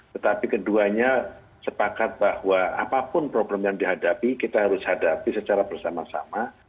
tetapi keduanya sepakat bahwa apapun problem yang dihadapi kita harus hadapi secara bersama sama